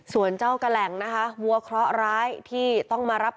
ส่วนเจ้ากะแหล่งนะคะวัวเคราะห์ร้ายที่ต้องมารับ